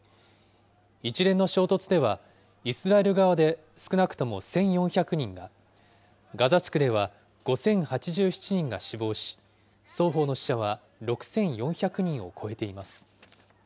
一連の衝突では、イスラエル側で少なくとも１４００人が、ガザ地区では５０８７人が死亡し、双方の死者は６４００人を超えています。